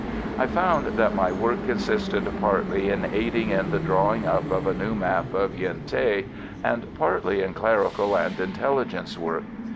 I found that my task consisted partly in aiding in the drawing up of a new map of the Yen Thé, and partly in clerical and intelligence work.